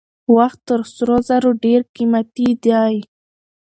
وخت تر سرو زرو ډېر قیمتي دی.